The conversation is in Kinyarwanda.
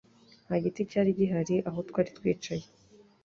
Nta giti cyari gihari aho twari twicaye